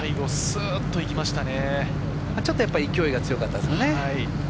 ちょっと勢いが強かったですね。